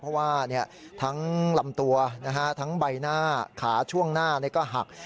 เพราะว่าทั้งลำตัวทั้งใบหน้าขาช่วงหน้าก็หัก